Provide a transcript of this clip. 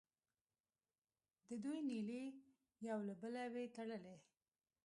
د دوی نیلې یو له بله وې تړلې.